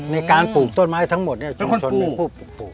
ในการปลูกต้นไม้ทั้งหมดชุมชนเป็นผู้ปลูก